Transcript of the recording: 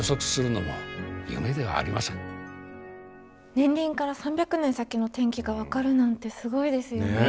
年輪から３００年先の天気が分かるなんてすごいですよね。